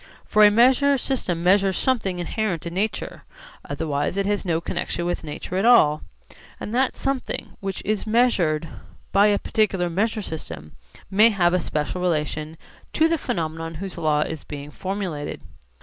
For a measure system measures something inherent in nature; otherwise it has no connexion with nature at all. And that something which is measured by a particular measure system may have a special relation to the phenomenon whose law is being formulated.